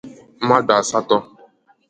mmadụ asatọ